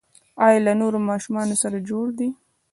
ایا له نورو ماشومانو سره جوړ دي؟